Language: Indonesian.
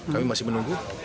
kami masih menunggu